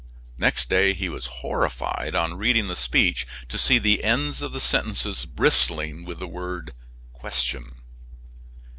Next day he was horrified on reading the speech to see the ends of the sentences bristling with the word "question."